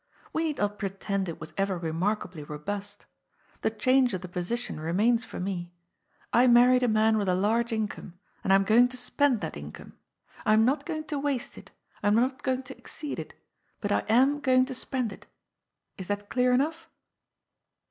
We need not pretend it was ever remarkably robust. The chance of the position remains for me. I married a man with a large income, and I am going to spend that income. I am not going to waste it, and I am not going to exceed it, but I am going to spend it. Is that clear enough